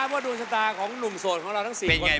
ว่าดวงสตาของหนุ่มโสดของเราทั้ง๔คน